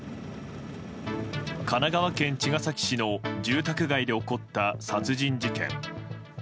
神奈川県茅ヶ崎市の住宅街で起こった殺人事件。